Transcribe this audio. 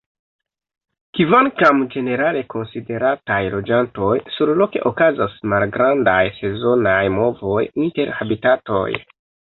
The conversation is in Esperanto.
Kvankam ĝenerale konsiderataj loĝantoj, surloke okazas malgrandaj sezonaj movoj inter habitatoj.